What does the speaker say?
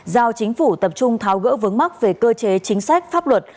giao chính phủ tập trung tháo gỡ vướng mắc về cơ chế chính sách pháp luật